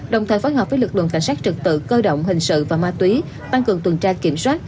đồng thời phối hợp với lực lượng cảnh sát trực tự cơ động hình sự và ma túy tăng cường tuần tra kiểm soát